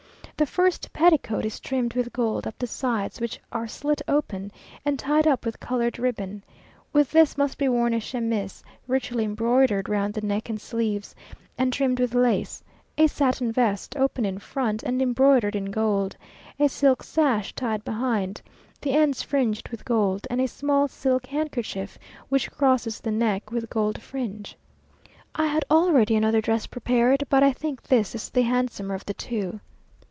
The first petticoat is trimmed with gold up the sides, which are slit open, and tied up with coloured ribbon. With this must be worn a chemise, richly embroidered round the neck and sleeves, and trimmed with lace; a satin vest, open in front, and embroidered in gold; a silk sash tied behind, the ends fringed with gold, and a small silk handkerchief which crosses the neck, with gold fringe. I had already another dress prepared, but I think this is the handsomer of the two.